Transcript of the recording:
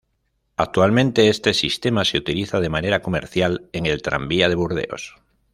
Actualmente este sistema se utiliza de manera comercial en el tranvía de Burdeos.